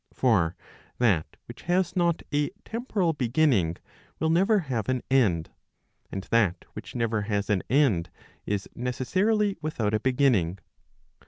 For that which has not a temporal beginning will never have an end; and that which never has an end is necessarily without a beginning.